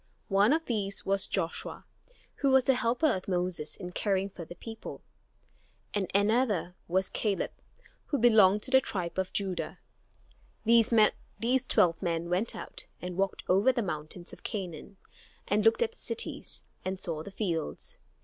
One of these was Joshua, who was the helper of Moses in caring for the people, and another was Caleb, who belonged to the tribe of Judah. These twelve men went out and walked over the mountains of Canaan and looked at the cities and saw the fields.